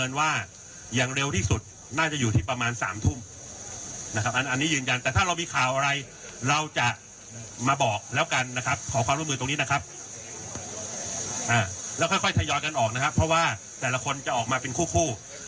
แล้วค่อยทยอยกันออกนะครับเพราะว่าแต่ละคนจะออกมาเป็นคู่